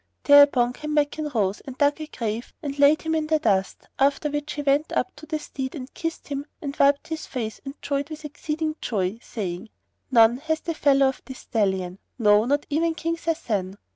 Thereupon Kanmakan rose and dug a grave and laid him in the dust; after which he went up to the steed and kissed him and wiped his face and joyed with exceeding joy, saying, "None hath the fellow of this stallion; no, not even King Sasan."